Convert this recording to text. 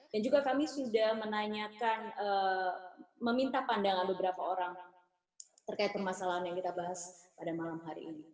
juga kami sudah menanyakan meminta pandangan beberapa orang terkait permasalahan yang kita bahas pada malam hari ini